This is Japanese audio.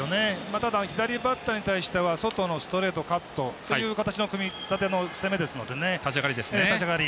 ただ左バッターに対しては外のストレート、カットという攻めですので、立ち上がり。